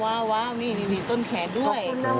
ว้าวนี่มีต้นแขนด้วย